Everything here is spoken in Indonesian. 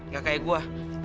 gak kayak gua